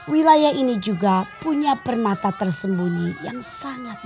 wilayah ini juga punya permata tersembunyi yang sangat